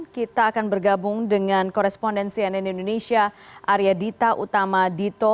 kita akan bergabung dengan korespondensi nn indonesia arya dita utama dito